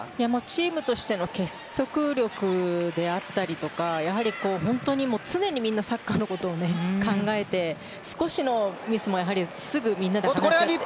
チームとしての結束力であったりとか本当に常にみんなサッカーのことを考えて少しのミスもすぐみんなで話し合いました。